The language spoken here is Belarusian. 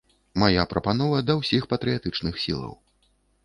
Мая прапанова да ўсіх патрыятычных сілаў.